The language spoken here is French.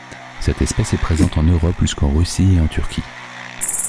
Cette espèce est présente en Europe jusqu'en Russie et en Turquie.